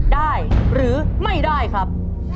ได้หรือไม่ได้ครับ